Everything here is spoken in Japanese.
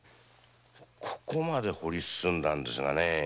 ここまで掘り進んだんですがね。